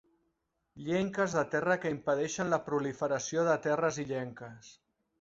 Llenques de terra que impedeixen la proliferació de terres illenques.